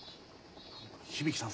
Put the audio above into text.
響さん